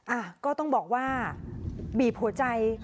อ่ะก็ต้องบอกว่าบีบหัวใจ